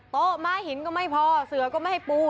ม้าหินก็ไม่พอเสือก็ไม่ให้ปู